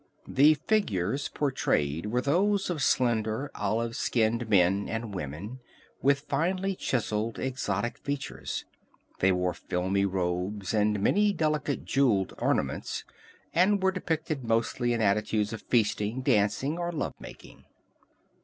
The figures portrayed were those of slender, olive skinned men and women, with finely chiseled, exotic features. They wore filmy robes and many delicate jeweled ornaments, and were depicted mostly in attitudes of feasting, dancing or love making.